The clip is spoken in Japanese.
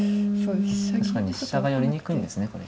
確かに飛車が寄りにくいんですねこれ。